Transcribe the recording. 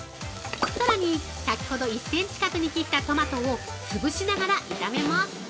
さらに、先ほど１センチ角に切ったトマトを潰しながら炒めます。